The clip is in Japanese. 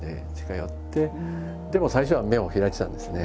でも最初は目を開いてたんですね。